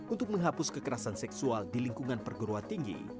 untuk menghapus kekerasan seksual di lingkungan perguruan tinggi